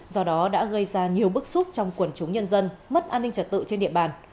do đó đã gây ra nhiều bức xúc trong quần chúng nhân dân mất an ninh trật tự trên địa bàn